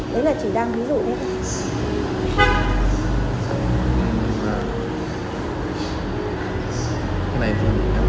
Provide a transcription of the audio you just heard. đấy là chị đang ví dụ hết